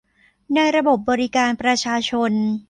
ในระบบบริการประชาชน